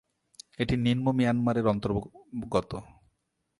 এটি নিন্ম মিয়ানমারের অন্তর্গত।